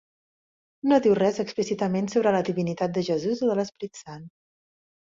No diu res explícitament sobre la divinitat de Jesús o de l'Esperit Sant.